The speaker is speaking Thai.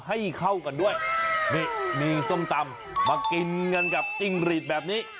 ให้เข้ากันด้วยนี่มีส้มตำมากินกันกับจิ้งหรีดแบบนี้